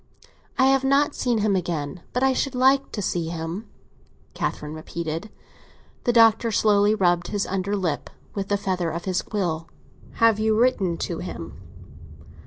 I have not seen him again, but I should like to see him," Catherine repeated. The Doctor slowly rubbed his under lip with the feather of his quill. "Have you written to him?"